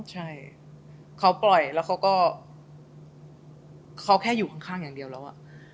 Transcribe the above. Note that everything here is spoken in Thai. ใช่เค้าปล่อยแล้วก็เค้าแค่อยู่ข้างอย่างเดียวแล้ว